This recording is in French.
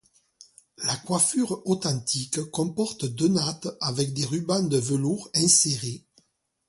La coiffure authentique comporte deux nattes avec des rubans de velours insérés.